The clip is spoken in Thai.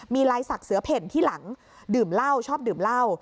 มีลายศักดิเสือเพ่นที่หลังดื่มเหล้าชอบดื่มเหล้า